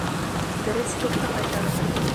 Беренселекте ҡайтарыу